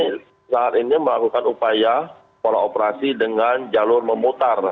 nah kami saat ini melakukan upaya pola operasi dengan jalur memutar